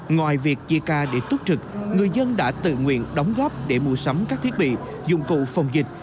ngoài việc chia ca để túc trực người dân đã tự nguyện đóng góp để mua sắm các thiết bị dụng cụ phòng dịch